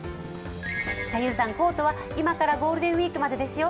だから、ゆんさんコートは今からゴールデンウイークまでですよ。